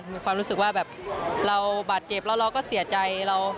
มีความรู้สึกว่าแบบเราบาดเจ็บแล้วเราก็เสียใจ